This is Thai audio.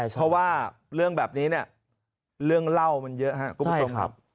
เพราะว่าเรื่องแบบนี้เนี่ยเรื่องเล่ามันเยอะครับ